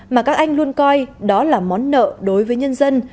mà các anh luôn coi đó là món nợ đối với nhân dân